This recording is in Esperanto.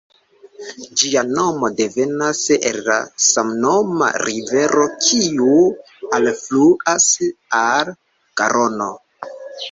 Ĝia nomo devenas el la samnoma rivero kiu alfluas al Garono.